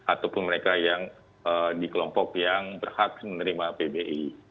ataupun mereka yang dikelompok yang berhak menerima pbi